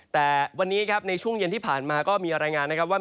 แต่วันนี้ครับในช่วงเย็นที่ผ่านมาก็มีรายงานนะครับว่า